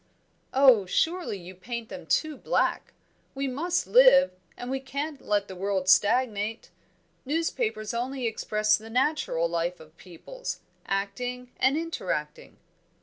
"Oh, surely you paint them too black! We must live, we can't let the world stagnate. Newspapers only express the natural life of peoples, acting and interacting."